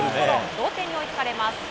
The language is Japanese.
同点に追いつかれます。